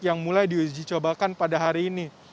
yang mulai diuji cobakan pada hari ini